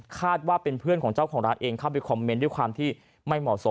คาดว่าเป็นเพื่อนของเจ้าของร้านเองเข้าไปคอมเมนต์ด้วยความที่ไม่เหมาะสม